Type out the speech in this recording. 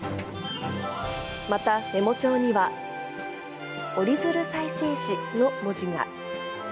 またメモ帳には、おりづる再生紙の文字が。